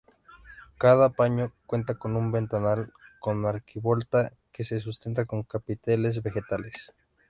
Cada paño cuenta con un ventanal con arquivolta, que se sustenta en capiteles vegetales.